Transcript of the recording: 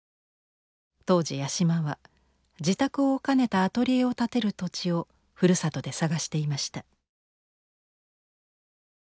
当時八島は自宅を兼ねたアトリエを建てる土地をふるさとで探していました。